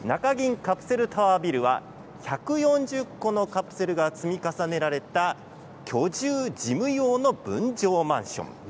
カプセルタワービルは１４０個のカプセルが積み重ねられた居住事務用の分譲マンションです。